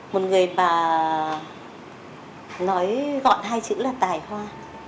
một người mà nói gọn hai chữ là tài hoa